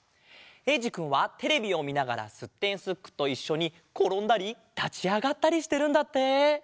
えいじくんはテレビをみながらすってんすっくといっしょにころんだりたちあがったりしてるんだって。